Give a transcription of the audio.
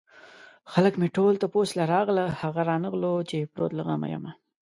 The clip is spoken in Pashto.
خلک مې ټول تپوس له راغله هغه رانغلو چې يې پروت له غمه يمه